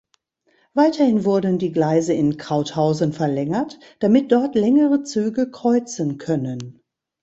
Weiterhin wurden die Gleise in Krauthausen verlängert, damit dort längere Züge kreuzen können.